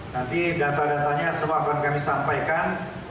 nanti data datanya semua akan kami sampaikan